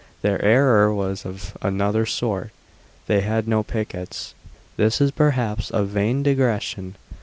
Their error was of another sort: they had no pickets. This is perhaps a vain digression.